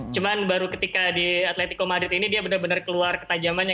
cuma baru ketika di atletico madrid ini dia benar benar keluar ketajamannya